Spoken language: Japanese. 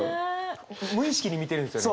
無意識に見てるんですよね？